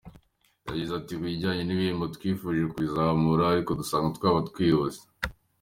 Yagize ati “Ku kijyanye n’ibihembo twifuje kubizamura ariko dusanga twaba twihuse.